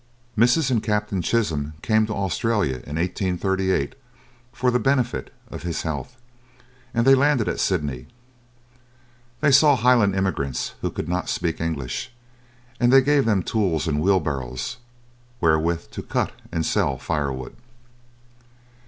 Mrs. and Captain Chisholm came to Australia in 1838 for the benefit of his health, and they landed at Sydney. They saw Highland immigrants who could not speak English, and they gave them tools and wheelbarrows wherewith to cut and sell firewood.